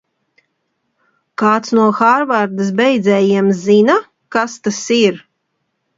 Kāds no Hārvardas beidzējiem zina, kas tas ir?